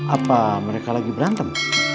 apa mereka lagi berantem